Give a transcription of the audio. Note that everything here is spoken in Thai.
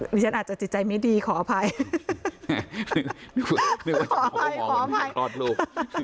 วิชันอาจจะจิตใจไม่ดีขออภัยนึกว่าโอ้ขอลูก